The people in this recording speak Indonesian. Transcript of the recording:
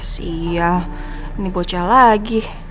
sial ini bocah lagi